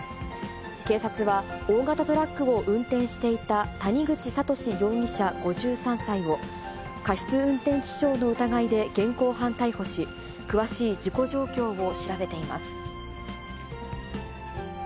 警察は、大型トラックを運転していた谷口訓容疑者５３歳を、過失運転致傷の疑いで現行犯逮捕し、詳しい事故状況を調べています。